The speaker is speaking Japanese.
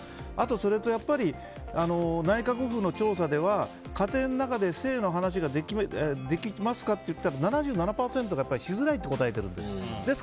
それと、内閣府の調査では家庭の中で性の話ができますかといったら７７％がしづらいと答えているんです。